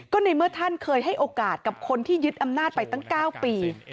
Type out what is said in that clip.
ก็ในเมื่อท่านเคยให้โอกาสกับคนที่ยึดอำนาจไปตั้ง๙ปี